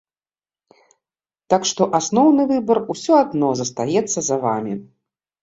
Так што, асноўны выбар усё адно застаецца за вамі.